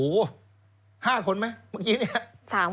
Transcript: ๕คนไหมเมื่อกี้เนี่ย